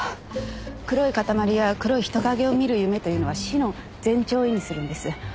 黒い塊や黒い人影を見る夢というのは死の前兆を意味するんです。